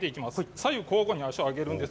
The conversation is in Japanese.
左右交互に足を上げます。